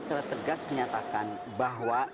secara tegas menyatakan bahwa